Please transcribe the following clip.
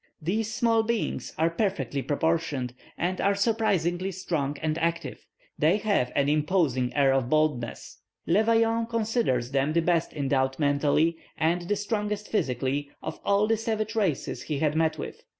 These small beings are perfectly proportioned, and are surprisingly strong and active. They have an imposing air of boldness." Le Vaillant considers them the best endowed mentally, and the strongest physically, of all the savage races he had met with.